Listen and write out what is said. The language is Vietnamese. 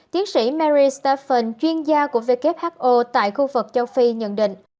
tiến sĩ mary staffan chuyên gia của who tại khu vực châu phi nhận định